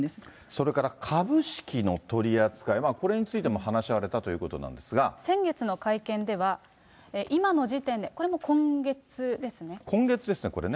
それから株式の取り扱い、これについても話し合われたという先月の会見では、今の時点で、今月ですね、これね。